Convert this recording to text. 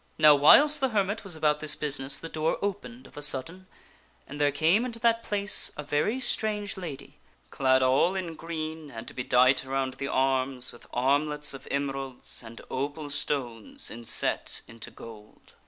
Now whiles the hermit was about this business the door opened of a THE LADY NYMUE VISITS SIR PELLIAS 273 sudden and there came into that place a very strange lady clad all in green and bedight around the arms with armlets of emeralds and opal stones inset into gold.